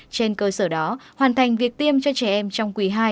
trên cơ sở đó hoàn thành việc tiêm cho trẻ em trong quý ii